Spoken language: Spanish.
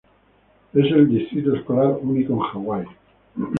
Es el distrito escolar único en Hawái.